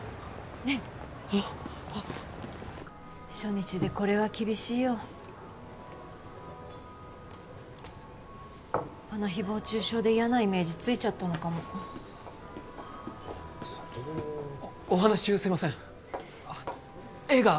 ねっ初日でこれは厳しいよあの誹謗中傷で嫌なイメージついちゃったのかもお話し中すいません映画